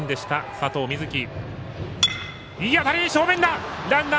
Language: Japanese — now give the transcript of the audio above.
佐藤瑞祇。